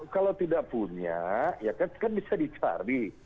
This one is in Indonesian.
kalau tidak punya ya kan bisa dicari